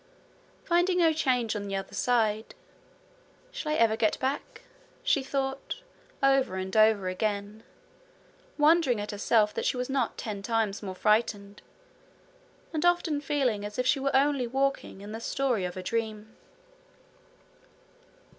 Finding no change on the other side, 'Shall I ever get back?' she thought, over and over again, wondering at herself that she was not ten times more frightened, and often feeling as if she were only walking in the story of a dream.